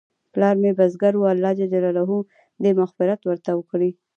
پلار مې بزګر و، الله ج دې مغفرت ورته وکړي